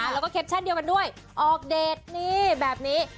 แล้วก็แคปชั่นเดียวกันด้วยออกเดทนี่แบบนี้